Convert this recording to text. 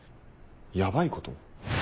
ヤバいこと？